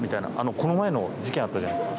この前の事件あったじゃないですか。